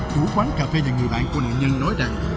chủ quán cà phê và người bạn của nạn nhân nói rằng